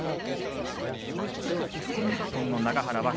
日本の永原和